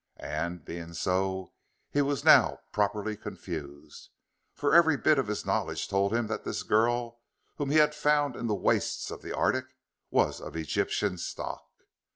And, being so, he was now properly confused. For every bit of his knowledge told him that this girl, whom he had found in the wastes of the arctic, was of Egyptian stock.